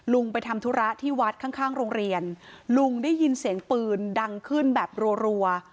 ไปทำธุระที่วัดข้างข้างโรงเรียนลุงได้ยินเสียงปืนดังขึ้นแบบรัว